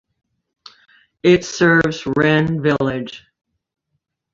It serves Ren village.